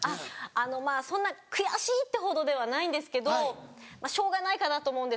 そんな悔しいってほどではないんですけどしょうがないかなと思うんですが。